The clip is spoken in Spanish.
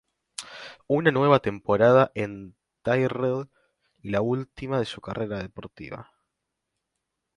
Una nueva temporada en Tyrrell y la última de su carrera deportiva.